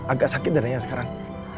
agak sakit darinya sekarang